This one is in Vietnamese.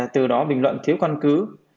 từ đó bình luận thiếu quan cứ